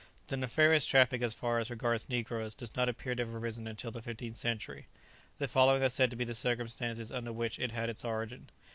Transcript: The nefarious traffic as far as regards negroes does not appear to have arisen until the fifteenth century. The following are said to be the circumstances under which it had its origin.